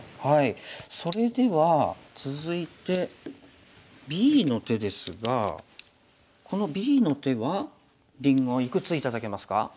それでは続いてＢの手ですがこのＢの手はりんごいくつ頂けますか？